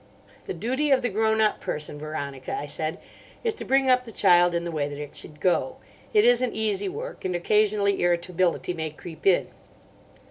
"The duty of the grown up person, Veronica," I said, "is to bring up the child in the way that it should go. It isn't easy work, and occasionally irritability may creep in."